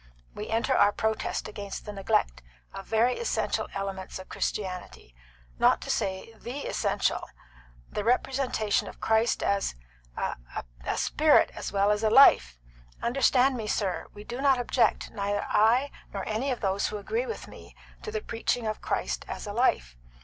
We enter our protest against the neglect of very essential elements of Christianity not to say the essential the representation of Christ as a a spirit as well as a life. Understand me, sir, we do not object, neither I nor any of those who agree with me, to the preaching of Christ as a life.